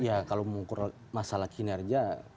ya kalau mengukur masalah kinerja